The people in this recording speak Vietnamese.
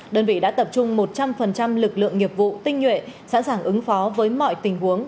đơn vị đã tập trung một trăm linh lực lượng nghiệp vụ tinh nhuệ sẵn sàng ứng phó với mọi tình huống